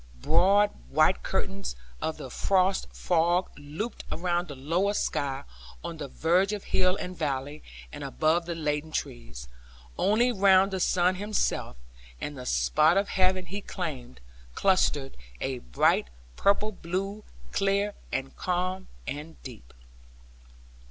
Broad white curtains of the frost fog looped around the lower sky, on the verge of hill and valley, and above the laden trees. Only round the sun himself, and the spot of heaven he claimed, clustered a bright purple blue, clear, and calm, and deep.